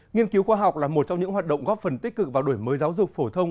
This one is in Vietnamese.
nghiên cứu khoa học là một trong những hoạt động góp phần tích cực vào đổi mới giáo dục phổ thông